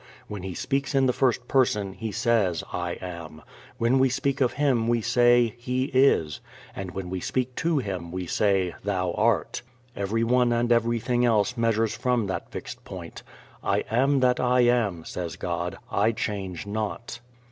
When He speaks in the first person He says, "I AM"; when we speak of Him we say, "He is"; when we speak to Him we say, "Thou art." Everyone and everything else measures from that fixed point. "I am that I am," says God, "I change not."